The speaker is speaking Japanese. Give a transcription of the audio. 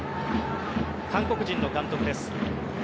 韓国人の監督です。